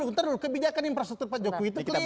ntar dulu kebijakan infrastruktur pak jokowi itu keliru